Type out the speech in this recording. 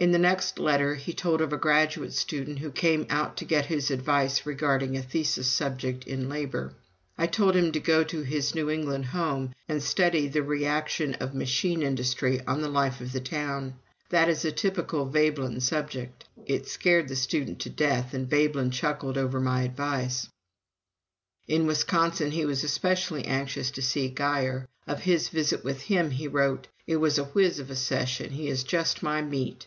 In the next letter he told of a graduate student who came out to get his advice regarding a thesis subject in labor. "I told him to go to his New England home and study the reaction of machine industry on the life of the town. That is a typical Veblen subject. It scared the student to death, and Veblen chuckled over my advice." In Wisconsin he was especially anxious to see Guyer. Of his visit with him he wrote: "It was a whiz of a session. He is just my meat."